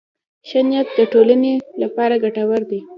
ښه نیت د ټولنې لپاره ګټور دی.